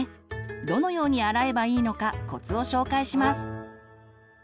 どのように洗えばいいのかコツを紹介します。